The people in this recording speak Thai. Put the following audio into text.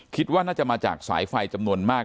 คิดว่าน่าจะมาจากสายไฟจำนวนมาก